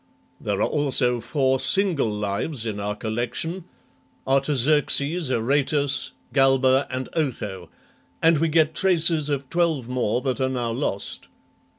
There are also four single Lives in our collection, Artaxerxes, Aratus, Galba, and Otho, and we get traces of twelve more that are now lost.